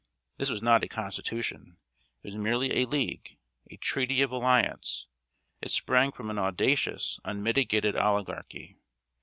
This was not a constitution; it was merely a league a treaty of alliance. It sprung from an audacious, unmitigated oligarchy.